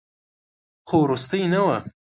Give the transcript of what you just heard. خو وروستۍ نه وه.